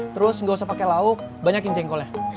terus nggak usah pakai lauk banyakin jengkolnya